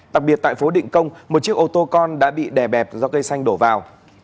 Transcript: đặc biệt tại phố định công một chiếc ô tô con đã bị đè bẹp do cây xanh đổ vào